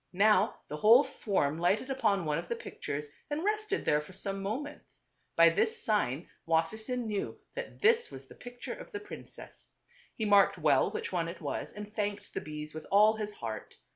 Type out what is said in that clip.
Now the whole swarm lighted upon one of the pict ures and rested there for some moments. By this sign Wasser sein knew that this was the picture of the prin cess. He marked p well which one it 1 was and thanked the bees with all his heart.